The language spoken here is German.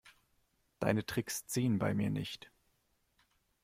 Deine Tricks ziehen bei mir nicht.